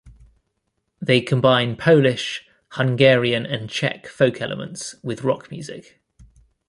They combine Polish, Hungarian and Czech folk elements with rock music.